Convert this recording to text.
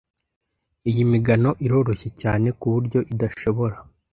Iyi migano iroroshye cyane kuburyo idashobora